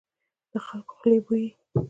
د خلکو خولې بويي.